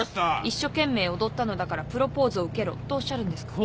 一生懸命踊ったのだからプロポーズを受けろとおっしゃるんですか？